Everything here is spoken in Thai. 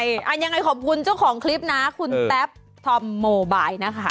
ยังไงขอบคุณเจ้าของคลิปนะคุณแต๊บทอมโมไบท์นะคะ